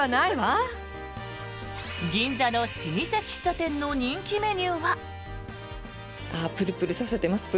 銀座の老舗喫茶店の人気メニューは。